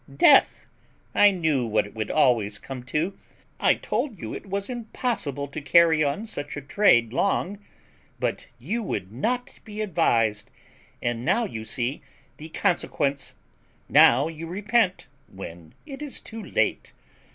DEATH. I knew what it would always come to. I told you it was impossible to carry on such a trade long; but you would not be advised, and now you see the consequence now you repent when it is too late.